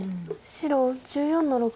白１４の六。